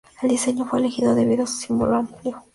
El diseño fue elegido debido a su simbolismo amplio.